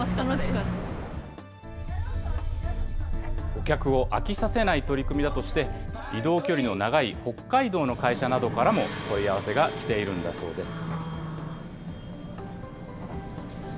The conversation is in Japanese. お客を飽きさせない取り組みだとして、移動距離の長い北海道の会社などからも問い合わせがきているんだそうです。